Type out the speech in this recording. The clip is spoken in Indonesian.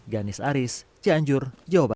ganis aris cianjur jawa barat